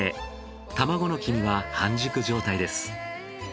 卵の黄身は半熟状態です。